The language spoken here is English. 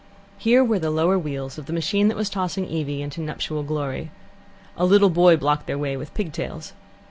Here were the lower wheels of the machine that was tossing Evie up into nuptial glory. A little boy blocked their way with pig tails.